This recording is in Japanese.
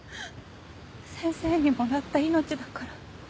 先生にもらった命だから。